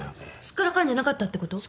すっからかんじゃなかったってこと？